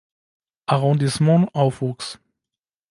Arrondissement aufwuchs.